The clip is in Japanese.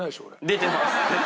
出てます！